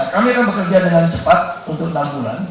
kami akan bekerja dengan cepat untuk nangguran